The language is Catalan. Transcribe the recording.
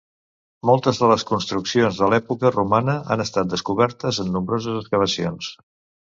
Moltes de les construccions de l'època romana han estat descobertes en nombroses excavacions.